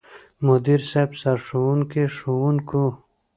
مدير صيب، سرښوونکو ،ښوونکو،